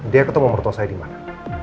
dia ketemu mertua saya dimana